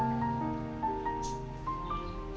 tidak bisa diketahui